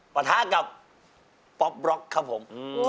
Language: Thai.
ประทากับป็อปผม